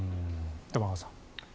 玉川さん。